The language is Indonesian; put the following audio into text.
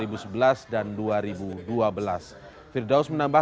firdaus menambahkan kekuatan kinerja yang terjadi dalam kondisi kinerja